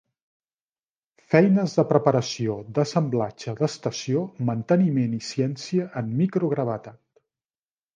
Feines de preparació d'assemblatge d'estació, manteniment i ciència en micro-gravetat.